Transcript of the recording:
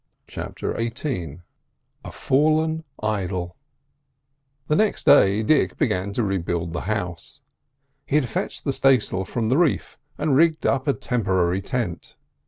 CHAPTER XVIII A FALLEN IDOL The next day Dick began to rebuild the house. He had fetched the stay sail from the reef and rigged up a temporary tent.